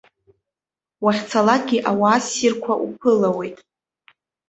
Уахьцалакгьы ауаа ссирқәа уԥылауеит.